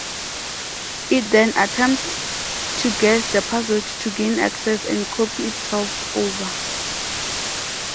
It then attempts to guess the password to gain access and copy itself over.